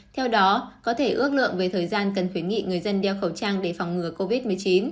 theo đó có thể ước lượng về thời gian cần khuyến nghị người dân đeo khẩu trang để phòng ngừa covid một mươi chín